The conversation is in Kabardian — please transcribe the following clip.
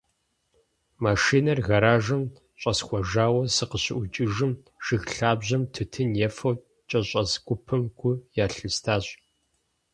Машинэр гэражым щӏэсхуэжауэ сыкъыщыӏукӏыжым, жыг лъабжьэм тутын ефэу кӏэщӏэс гупым гу ялъыстащ.